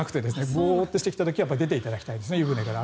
ボーっとしてきた時は出ていただきたいですね。